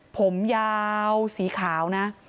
ผมยาวสีขาวนะ